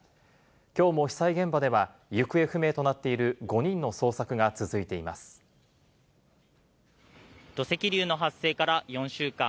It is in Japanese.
きょうも被災現場では、行方不明となっている５人の捜索が続いて土石流の発生から４週間。